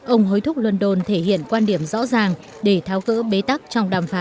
ông hối thúc london thể hiện quan điểm rõ ràng để tháo cỡ bế tắc trong đàm phán